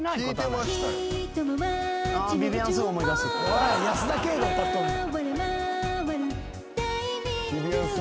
おい保田圭が歌っとんねん。